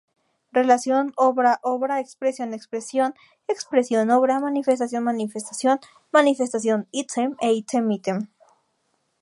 Relación "obra"-"obra", "expresión"-"expresión", "expresión"-"obra", "manifestación"-"manifestación", "manifestación"-"item" e "item"-"item".